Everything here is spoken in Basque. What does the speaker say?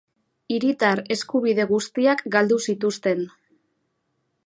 Hiritar eskubide guztiak galdu zituzten.